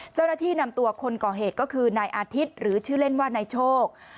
เจ้าหน้าที่นำตัวคนก่อเหตุก็คือนายอาทิตย์หรือชื่อเล่นว่านายโชค